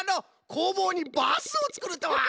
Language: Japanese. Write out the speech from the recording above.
こうぼうにバスをつくるとは！